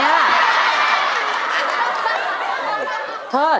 นะฮะเห็นแต่ฟันคุณครูตอนเนี้ย